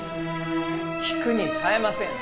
聞くに堪えません。